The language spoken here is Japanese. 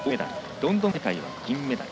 ロンドン大会は銀メダル。